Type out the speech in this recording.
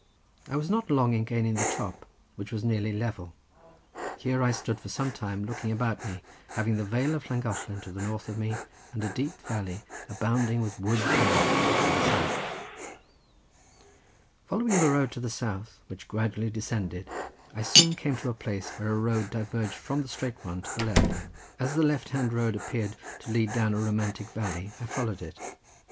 I was not long in gaining the top, which was nearly level. Here I stood for some time looking about me, having the vale of Llangollen to the north of me, and a deep valley abounding with woods and rocks to the south. Following the road to the south, which gradually descended, I soon came to a place where a road diverged from the straight one to the left. As the left hand road appeared to lead down a romantic valley I followed it.